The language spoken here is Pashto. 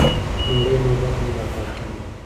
لومړۍ نوبت د ملاقاتونو و.